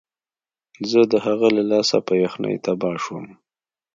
زه د هغه له لاسه په یخنۍ تباه شوم